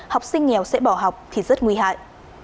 học sinh nghèo sẽ bỏ học thì rất nguy hại